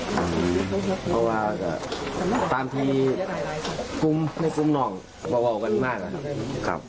เพราะว่าว่าตามที่กลุ่มในกลุ่มน็องเวาเวากันมากอ่ะครับ